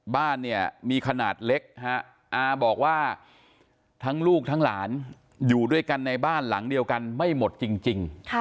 บ้านเนี่ยมีขนาดเล็กฮะอาบอกว่าทั้งลูกทั้งหลานอยู่ด้วยกันในบ้านหลังเดียวกันไม่หมดจริง